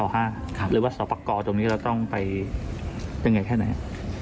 หรือว่าสอบประกอบตรงนี้เราต้องไปยังไงแค่ไหน